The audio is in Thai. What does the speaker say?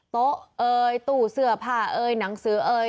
โต๊ะเอ่ยตู้เสื้อผ้าเอ่ยหนังสือเอ่ย